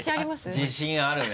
自信あるね。